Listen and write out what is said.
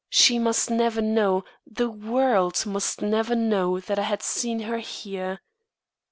She must never know, the world must never know that I had seen her here.